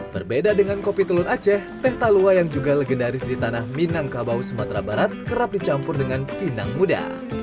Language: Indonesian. berbeda dengan kopi telur aceh teh talua yang juga legendaris di tanah minangkabau sumatera barat kerap dicampur dengan pinang muda